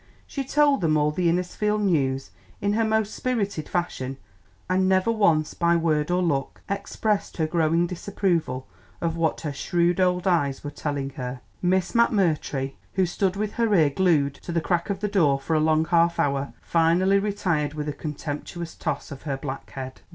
She told them all the Innisfield news in her most spirited fashion, and never once by word or look expressed her growing disapproval of what her shrewd old eyes were telling her. Miss McMurtry, who stood with her ear glued to the crack of the door for a long half hour, finally retired with a contemptuous toss of her black head.